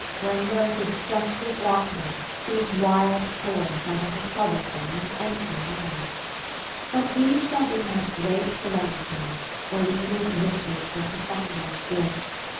Where mirth is justly grounded, these wild toys Are but a troublesome, and empty noise. II But these shall be my great Solem nities, Orinda's wishes for Cassandra's bliss.